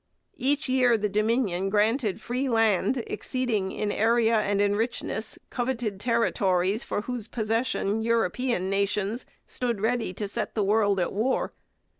Each year the Dominion granted free land exceeding in area and in richness coveted territories for whose possession European nations stood ready to set the world at war.